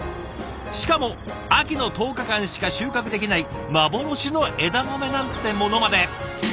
しかも秋の１０日間しか収穫できない幻の枝豆なんてものまで。